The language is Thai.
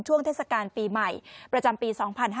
ช่วงเทศกาลปีใหม่ประจำปี